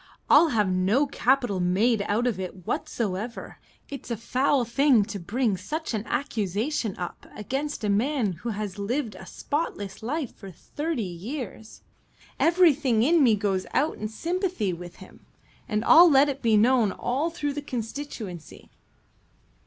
"I'll have no capital made out of it whatsoever. It's a foul thing to bring such an accusation up against a man who has lived a spotless life for thirty years. Everything in me goes out in sympathy with him, and I'll let it be known all through the constituency."